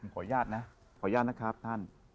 ขออนุญาตนะครับท่าน